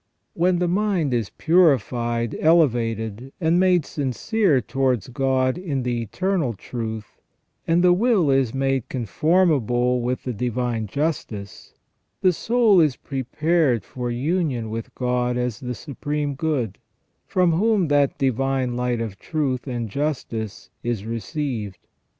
When the mind is purified, elevated, and made sincere towards God in the eternal truth, and the will is made conform able with the divine justice, the soul is prepared for union with God as the Supreme Good, from whom that divine light of truth and justice is received.